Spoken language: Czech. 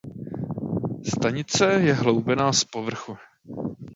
Stanice je hloubená z povrchu.